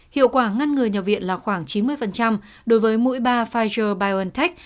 hiệu quả ngăn ngừa nhập viện là khoảng chín mươi đối với mũi ba pfizer biontech